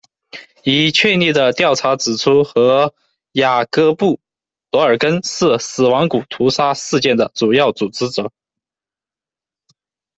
已确立的调查指出和雅各布·罗尔根是死亡谷屠杀事件的主要组织者。